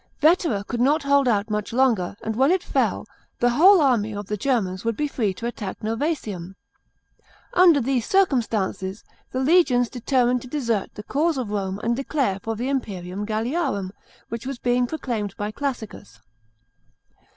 Vetera could not hold out much longer, and when it fell, the whole army of the Germans would be free to attack Novsesium. Under these circumstances, the legions deter mined to desert the cause of Rome and declare for the imperium Galliarum, which was being proclaimed by Classicus.